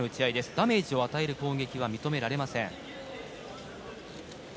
ダメージを与える攻撃は認められません。